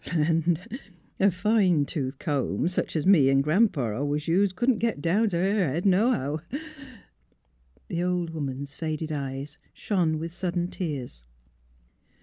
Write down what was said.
Land! a fine tooth comb, sech es me an' Gran 'pa always used, couldn't get down t' her head nohow. ..." The old woman's faded eyes shone with sudden tears.